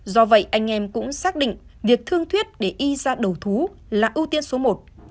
do vậy anh em cũng xác định việc thương thuyết để y ra đầu thú là ưu tiên số một